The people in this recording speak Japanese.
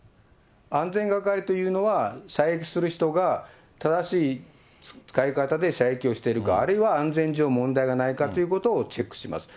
安全係というのは、射撃する人が正しい使い方で射撃をしているか、あるいは安全上問題がないかということをチェックします。